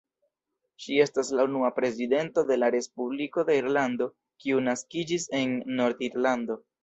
Ŝi estas la unua prezidento de la Respubliko de Irlando kiu naskiĝis en Nord-Irlando.